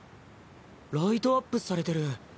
ライトアップされてる。